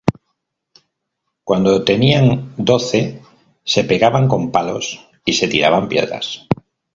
Cuando tenían doce, se pegaban con palos y se tiraban piedras.